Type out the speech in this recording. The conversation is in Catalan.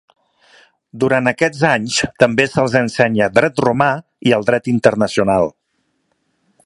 Durant aquests anys també se'ls ensenya dret romà i el dret internacional.